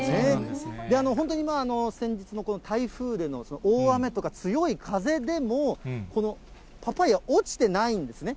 本当に先日のこの台風での大雨とか強い風でも、このパパイヤ、落ちてないんですね。